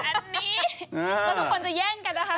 ผมก็ต้องขี้อันนี้ขี้ตัวันคนจะแย่งกันนะคะ